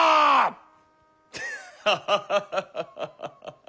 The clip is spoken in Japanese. アハハハハ！